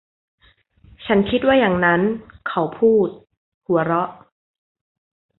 ฉันคิดว่าอย่างนั้น เขาพูด หัวเราะ